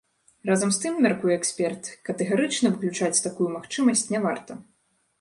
Разам з тым, мяркуе эксперт, катэгарычна выключаць такую магчымасць не варта.